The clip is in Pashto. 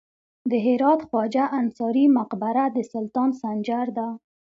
د هرات خواجه انصاري مقبره د سلطان سنجر ده